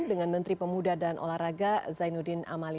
dengan menteri pemuda dan olahraga zainuddin amali